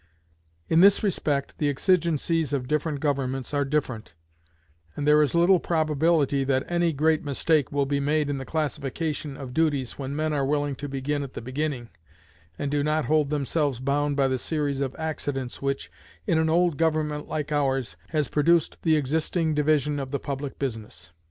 In this respect the exigencies of different governments are different; and there is little probability that any great mistake will be made in the classification of the duties when men are willing to begin at the beginning, and do not hold themselves bound by the series of accidents which, in an old government like ours, has produced the existing division of the public business.